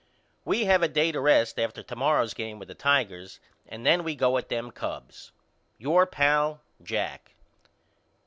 We have a day to rest after to morrow's game with the Tigers and then we go at them Cubs. Your pal, JACK.